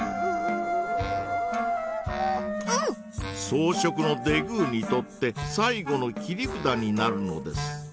草食のデグーにとって最後の切り札になるのです。